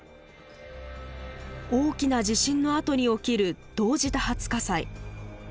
大きな地震のあとに起きる同時多発火災。